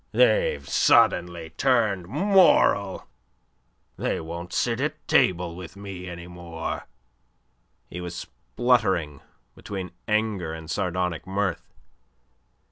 They've suddenly turned moral. They won't sit at table with me any more." He was spluttering between anger and sardonic mirth.